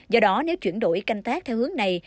do đó nếu chuyển đổi canh tác theo hướng này